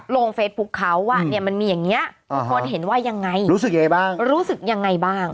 ลงเฟซบุ๊คเขาว่ามันมีอย่างนี้ทุกคนเห็นว่ายังไงรู้สึกยังไงบ้าง